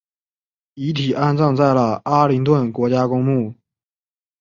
遗体安葬在了阿灵顿国家公墓